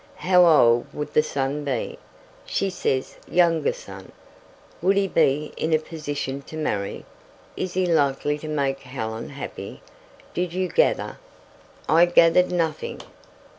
How old would the son be? She says 'younger son.' Would he be in a position to marry? Is he likely to make Helen happy? Did you gather " "I gathered nothing."